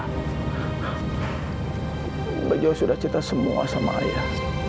kau pak jo sudah cerita semua sama ayah